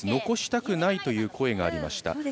残したくないという声がありました。